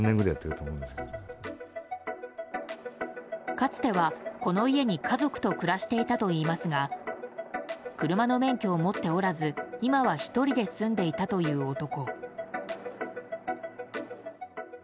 かつては、この家に家族と暮らしていたといいますが車の免許を持っておらず今は１人で住んでいたという男。